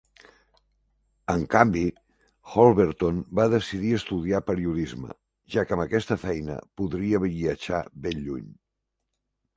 En canvi, Holberton va decidir estudiar periodisme, ja que amb aquesta feina podria viatjar ben lluny.